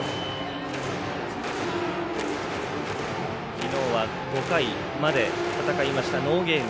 きのうは５回まで戦いましたノーゲーム。